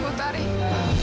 aku yang merekam itu